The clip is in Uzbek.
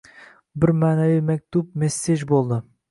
bir ma’naviy maktub-messej bo‘ldi.